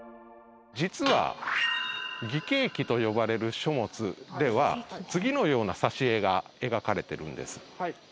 実は『義経記』と呼ばれる書物では次のような挿絵が描かれてるんです。